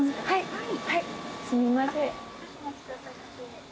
はい。